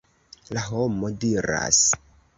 La homo diras.